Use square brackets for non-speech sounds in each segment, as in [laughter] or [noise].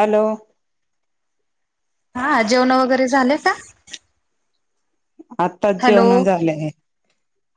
Hello हा जेवण वगैरे झालंय का आताच हॅलो जेवण झाले आहे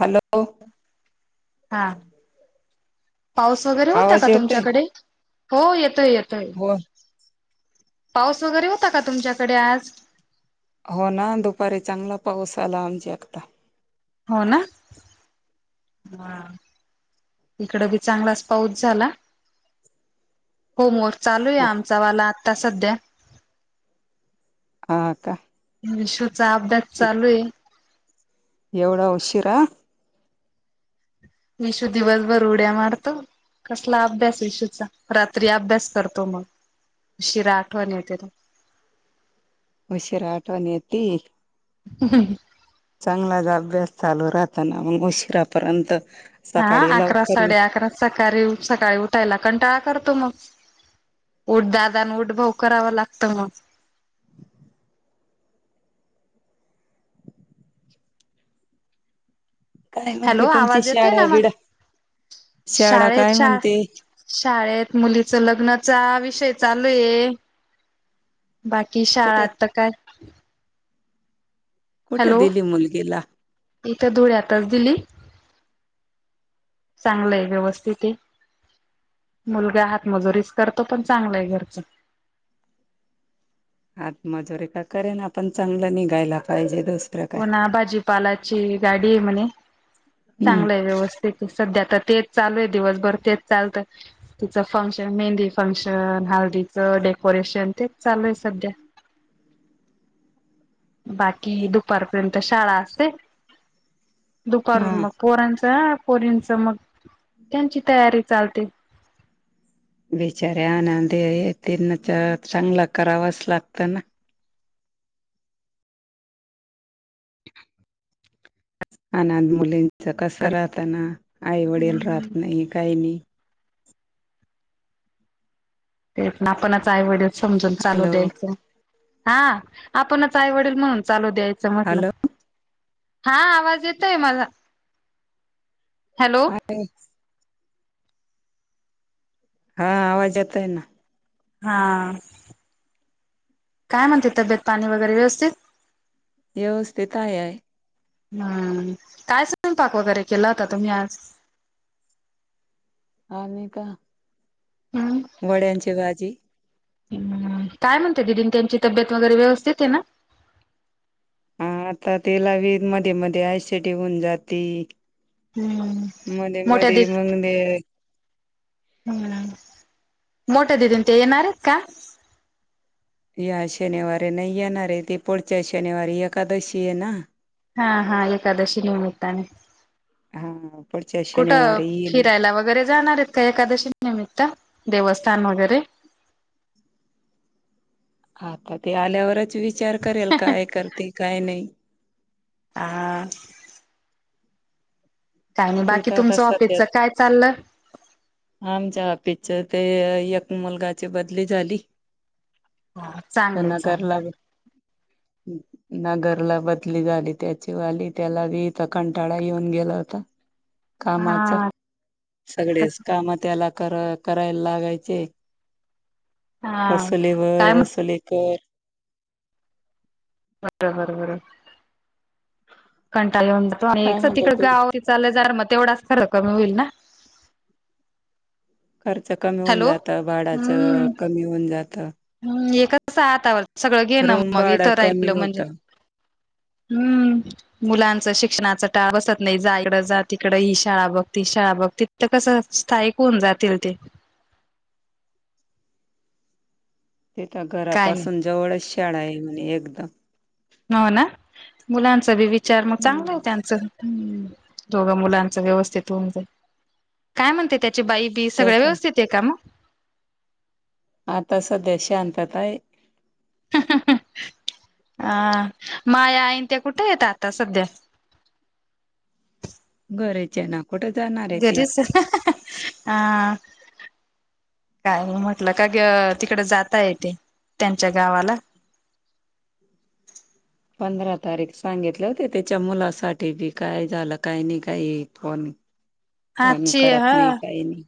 हॅलो हा पाऊस वगैरे होता का आवाज येतय तुमच्याकडे हो येतोय येतोय हो पाऊस वगैरे होता का तुमच्याकडे आज हो ना दुपारी चांगला पाऊस आला आमच्या आता हो ना हा इकड बी चांगलाच पाऊस झाला होमवर्क चालू आहे खूप आमचा वाला आता सध्या हा का शचा अद्यास चालू आहे एवढा उशीिरा मीशू दिवसभर उड्या मारतो कसला अभ्यास विशूचा रात्री अभ्यास करतो मग उशिरा आठवण येत ना. उशीरा आठवण येेती. ह चांगलाच अभ्यास चालू राहताना मग उशिरापर्यंत. हा सकाळी अकरा लवकर ये. साडे अकरा सकाळी सकाळी उठायला कंटाळा करतो मग उठ दादा आणि उठ भाऊ कराव लागतं मग काय म्हणते हॅलो तुमची आवाज येतोय शाळा ना मग बिडा शाळा काय शाळेच्या म्हणते शाळेत मुलीच लग्नाचा विषय चालूये बाकी कुठे शाळा तर काय. कुठं हॅलो दिली मुलगीला. इथं धुळ्यातच दिली. चांगलं आहे व्यवस्थित आहे मुलगा हातमजुरीच करतो पण चांगलय घरच. हातमजुरी का करे ना पण चांगलं निघायला पाहिजे दुस हो ना भाजीपालाची गाडी आहे म्हणे हम्म चांगलं आहे व्यवस्था. सध्या तर तेच चालू आहे दिवसभर तेच चालतं. तिचं फंक्शन मेहंदी फंक्शन हाळदीचं डेकोरेशन ते. चालू आहे सध्या बाकी दुख दुपारपर्यंत शाळा असते हा दुपारून मग पोरांच्या पोरीनंच मग त्यांची तयारी चालते. बिचाऱ्या आनंदे य त्याना चांगला करावाच लागत ना. अनाथ मुलींच कस राहताना आई वडील हम्म राहत नाही काही नाही. तेच ना कोणाचे आईवडील समजून चालू हॅलो द्यायचं. हा आपणच आईवडील म्हणून चालू द्यायचं म्हटलं. हॅलो हा आवाज येतोय मला हॅलो. [inaudible] हा आवाज येतय ना. हा काय म्हणते तब्येत पाणी वगैरे व्यवस्थित. व्यवस्थित आहे. हम्म काय स्वयंपाक वगैरे केला होता तुम्ही आज. आणि का. हम्म वड्यांची भाजी हम्म काय म्हणते दिदी त्यांची तब्येत वगैरे व्यवस्थित आहे ना. हा आता तिला बी मध्ये मध्ये ऍसिटीय होऊन जाते. हम्म मोठ्या दि मग ते हम्म मोठ्या दिदीन ते येणार आहेत का. या शनिवारी नाही येणार आहे ती पुढच्या शनिवारी एकादशी आहे ना. हा हा एकादशी निमित्ताने. हा पुढच्या कुठं शनिवारी येईल फिरायला वगैरे जाणार आहे. एकादशी निमित्त देवस्थान वगैरे. आता ते आल्यावरच विचार करेल काय करते काय नाही. आ काय नाही ते बाकी तर आता तुमचं सध्या ऑफिसच काय चाललं. आमच्या आफिसच ते एक मुलगाची बदली झाली. हा चांगलं त्यांना नगरला चांगल [inaudible] हम्म नगरला बदली झाली त्याची वाली त्याला बी इथ कंटाळा येऊन गेला होता कामाचा हा कस सगळेच काम त्याला करायला लागायचे हा वसुलीवर काय म्हण वसुली कर बरोबर बरोबर कंटाळ येऊन जातो आणि काय म्हणता तिकड तू गाव चालले मग तेवढाच खर कमी होईल ना खर्च कमी होऊन हॅलो जातं भाडाचं हम्म कमी होऊन जात हम्म हे कस हातावर सगळं घेण रूम मग भाडं इथं कमी राहिलं होत म्हणजे. हम्म मुलांच शिक्षणाचा टाळ बसत नाहीत जा इकड जा तिकड ही शाळा बघ ती शाळा बघती तिथ कसं स्थायिक होऊन जातील ते. तिथ काय नाही घरापासून जवळच शाळा आहे म्हणजे एकदम हो ना मुलांचा बी विचार म चांगलं हम्म आहे त्यांचं बी हूं दोघं मुलांच व्यवस्थित होऊन जाईल काय म्हणते त्याची बाई ती सगळ्य त्याच्या व्यवस्थित आहे का म आता सध्या शांतताय. अ माया आईन त्या कुठ येत आता सध्या घरीच ये ना कुठ जाणार. आहे ती घरीच ये हा काय म्हणून म्हटलं का ग तिकड जाता येते त्यांच्या गावाला पंधरा तारीख सांगितले होते त्याच्या मुलासाठी बी काय झालं काय नी काय फोन हा फोन ची ह करत नाही काही नाही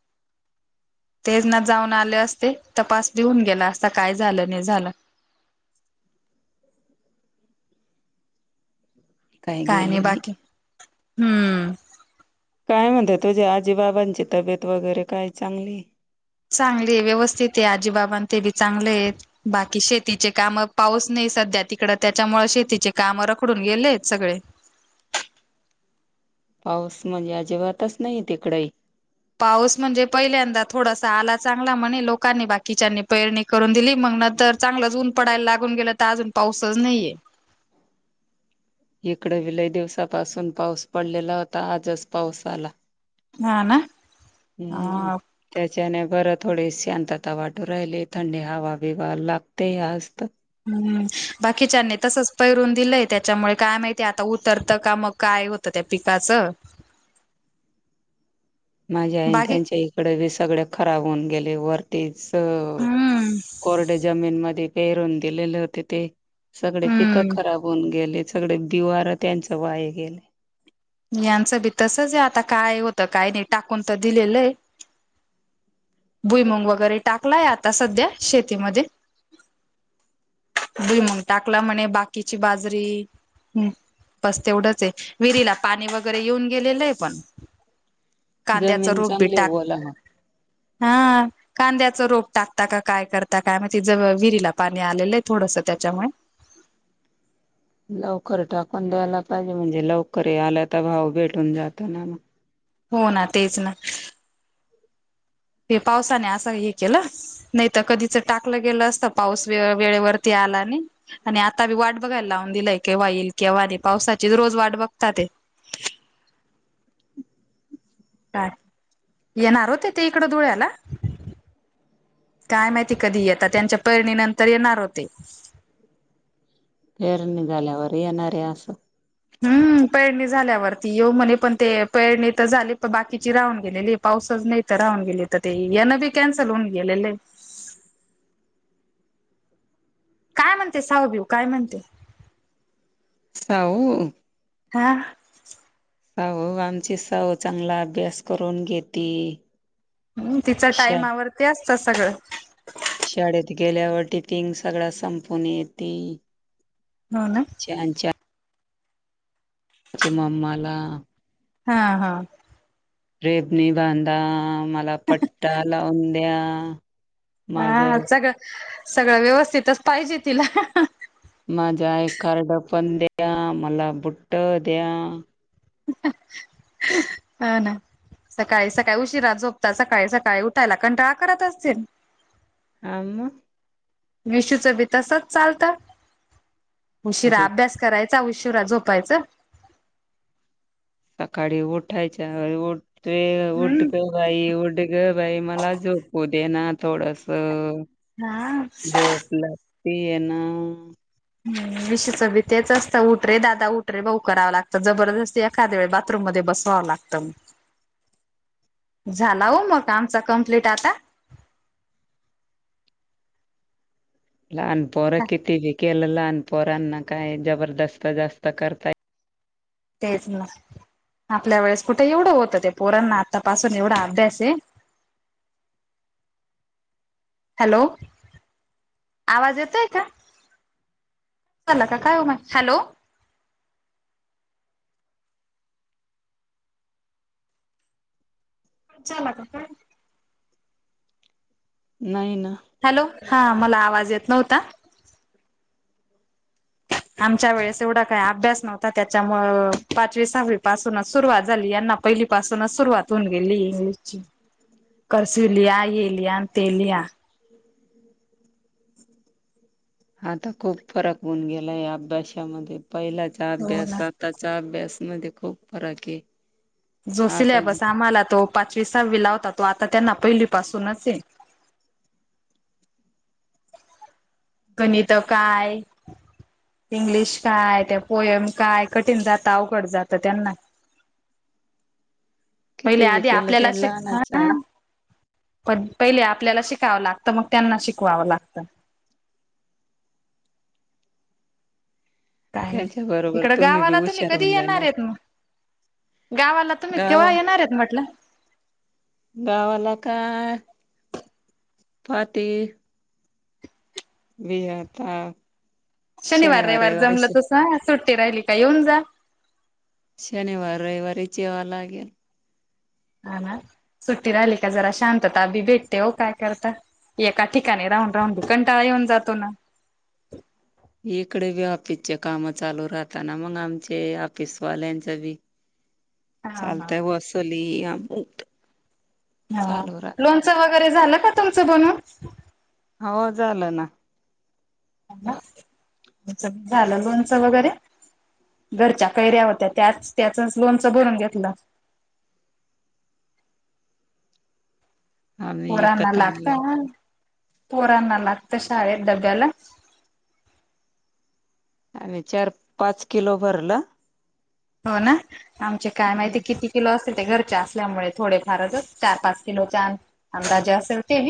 ते ना जाऊन आले असते तपास देऊन गेला असता काय झालं नाय झालं काय काय नाय बाकी हम्म काय म्हणता तुझ्या आजी बाबांची तब्येत वगैरे काय चांगलीये. चांगली आहे व्यवस्थित आहे आजीबाबां ते बी चांगले आहेत. बाकी शेतीचे काम पाऊस नाय सध्या तिकड त्याच्यामुळे शेतीचे काम रखडून गेलेत सगळे पाऊस म्हणजे अजिबातच नाही तिकडेही पाऊस म्हणजे पहिल्यांदा थोडासा आला चांगला म्हणे लोकांनी बाकीच्यानी पेरणी करून दिली मग न तर चांगलंच ऊन पडायला लागून गेलं त अजून पाऊसच नाहीये. हीकड बी लय दिवसापासून पाऊस पडलेला होता आजच पाऊस आला. हा ना. ह्म्म्म ह त्याच्याने बरं थोडी शांतता वाटू राहिली थंडी हवा बिवा लागतेय आजत हम्म बाकीच्यानी तसच पैरून दिलंय त्याच्यामुळे काय माहितीय आता उतरतं का मग काय हो त त्या पिकाचं माझ्या आई बाकी त्याच्या इकड बी सगळ खराब होऊन गेले वरतीच हो हम्म कोरडे जमीन मधून पेहरून दिलेल होते ते सगळे पिकं हम्म खराब होऊन गेले सगळे बीवार त्यांच वाया गेलय. यांचं बी तसच हाय आता काय होतं काय नाय टाकून त दिलेलंय. भुईमंग वगैरे टाकलाय आता सध्या शेतीमध्ये भुईमूग टाकला म्हणे बाकीची बाजरी हम् बस तेवढंच आहे विहिरीला पाणी वगैरे येऊन गेलेलंय पण- कांद्याचं जमीन रोप बी चांगले टाक ओला मग हा कांद्याच रोप टाकता का काय करता काय माहिती ज विहिरीला पाणी आलेलंय. थोडस त्याच्यामुळे लवकर टाकून द्यायला पाहिजे म्हणजे लवकर यायलंय त भाव भेटून जात ना मग. हो ना तेच ना ते पावसानी असं हे केलं. नाय त कधीच टाकलं गेलं असत पाऊस वेळ वेळेवरती आला नी आणि आता बी वाट बघायला लावून दिलय केव्हा येईल केव्हा नाय पावसाची रोज वाट बघतातये. का येणार होते ते इकडं धुळ्याला काय माहिती कधी येता त्यांच्या पैरणी नंतर येणार होते. फेर निघाल्यावरर येणार रे अस असं हम्म पेळणी झाल्यावरती येऊ म्हणे पण ते पेरणी तर झाली प बाकीची राहून गेलेली पाऊसच नाही तर राहून गेली तर ते येनं बी कॅन्सल होऊन गेलेले काय म्हणते सावबीव काय म्हणते साऊ हा हाऊ आमची साऊ चांगला अभ्यास करून घेती. हम् तिचा शा टाईमा वरती असता सगळं शाडेत गेल्यावर टिफिंग सगळ संपून येती. हो ना. च्याच्या चिमाममाला हा हा रेबणी बांधा मला पट्टा लावून द्या हा माझं सगळं सगळं व्यवस्थितच पाहिजे तिला माझ्या आय कार्ड पण द्या मला बुट्ट द्या अ ना सकाळी सकाळी उशिरा झोपतात सकाळी सकाळी उठायला कंटाळा करत असतील आ विशूच ब तसच चालत उशिरा झोप अभ्यास करायचं उशुरा झोपायचं सकाळी उठायच्या उठ उठ हम्म बाई उड ग बाई मला झोपू दे ना थोडस हा. जोप लगती आहे ना हम् विषच भी तेच असतं उटरे दादा उठरे भाऊ करावं लागतं जबरदस्त एखाद वेळे बघ मध्ये बसवाव लागत म झाला हो मग आमचा कम्प्लीट आता लहानपोरं किती विकेलं लहान पोरांना काय जबरदस्त जास्त करतायेत तेच ना आपल्या वेळेस कुठे एवढं होतं ते पोरांना आतापासून एवढा अभ्यास आहे हॅलो आवाज येतोय का काय हॅलो झाला का काय नाही ना हॅलो हा मला आवाज येत नव्हता आमच्या वेळेस एवढा काही अभ्यास नव्हता त्याच्यामुळे पाचवी सहावी पासूनच सुरुवात झाली यांना पहिली पाासूनच सुरुवात होऊन गेली इंग्लिश ची करस लिया येलिया तेलिया आता खूप फरक होऊन गेलाय अभ्यासामध्ये पहिल्याच्या हो ना अभ्यासात त्याचा अभ्यासमध्येध्ये खूप फरक आहे जो आता जे सिलेबस आम्हाला तो पाचवी सहावी लावता तो आता त्यांना पहिलीपासूनच आहे गणित काय इंग्लिश काय त्या पोयम काय कठीण जातं अवघड जातं त्यांना पहिले किती बी आधी केलं आपल्याला ते अस लहानच आहे पण पहिले आपल्याला शिकावं लागतं मग त्यांना शिकवावं लागतं काय त्यांच्या बरोबर इकडं बी गावाला तुम्ही हुशार कधी होऊन जाणार येणारेत मग गावाला तुम्ही केव्हा गावा येणारेत म्हटलं गावाला काय पाती बी याता शनिवार रविवार जमलं तसं सुट्टी राहिली का येऊन जा शनिवार रविवारी, जेवायला या हा ना सुट्टी राहिली का जरा शांतता अभी भेटते हो काय करता एका ठिकाणी राहून राहून दुकंटाळा येऊन जातो ना इकडे बी ऑफिसचे काम चालू राहताना मग आमचे ऑफिसवाल्यांच मी. [inaudible] हा हा चालतय वसली. ह लोणचं वगैरे झालं का तुमचं बनून? हो झालं ना. झालं, लोणचं वगैरे घरच्या कैऱ्या होत्या त्याच त्याचच लोनचं भरून घेतलं आम्ही पोरांना एकत लागत आणलं. पोरांना लागत शाळेत डब्याला आम् चार पाच किलो भरला हो ना आमचे काय माहिती किती किलो अस घरच्या असल्यामुळे थोडे फारच चार पाच किलो अंदाजे असेल ते.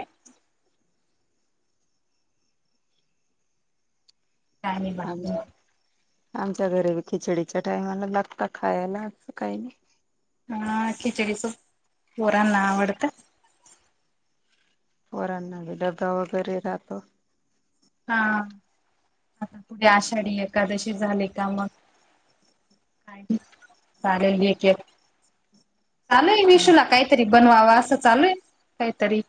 का आणि आम बाकी. आमच्या घरीब खिचडीच्या टाइमाला लागत खायला असं काही नाही. हा खिचडीचो पोरांना आवडतं. पोरांनाी डबा वगैरे राहतो. हा आता पुढे आषाढी एकादशी झाली का मग. चाले चाले सुू लगय. तरी बनवावा असं चालू आहे काहीतरी.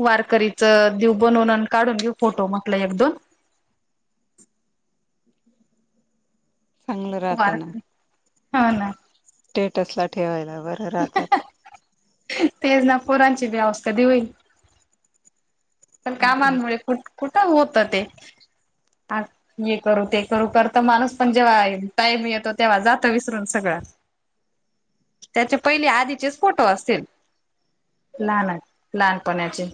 वारकरीचं दिव बनवून काढून घेऊ फोटो मटला एक-दोन. चांगलं राहत [unintelligible] हा हा. स्टेटस ला ठेवायला बरं राहत ते. तेज ना पोरांची व्यावसता कधी होईल. पण कामांमुळे कुठ कुठं होत ते आ ज करू ते करू कर. माणूस पण जेव्हा टाईम येतो तेव्हा जात विसरून सगळं. त्याचे पहिले आधीचेच फोटो असतील. लहान लहानपणाचे.